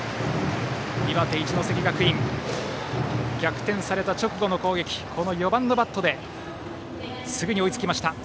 岩手・一関学院逆転された直後の攻撃４番のバットですぐに追いつきました。